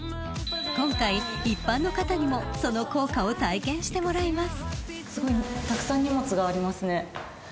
［今回一般の方にもその効果を体験してもらいます］